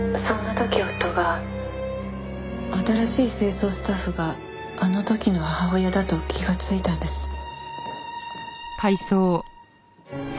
「そんな時夫が」新しい清掃スタッフがあの時の母親だと気がついたんです。